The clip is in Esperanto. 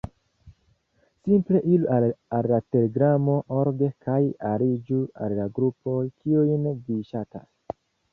Simple iru al telegramo.org kaj aliĝu al la grupoj, kiujn vi ŝatas.